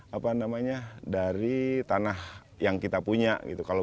selain bentuk bentuk lain orang jatibangi masih bisa hidup dengan bentuk bentuk yang lain